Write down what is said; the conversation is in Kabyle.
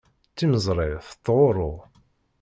Timeẓri tettɣurru.